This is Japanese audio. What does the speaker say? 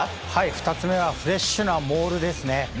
２つ目はフレッシュなモールですね。